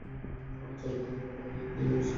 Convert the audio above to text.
আচরণ নকল করা নিয়ে কী বলেছিলাম?